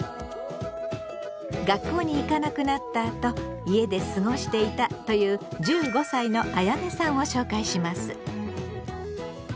学校に行かなくなったあと家で過ごしていたという１５歳のあやねさんを紹介します。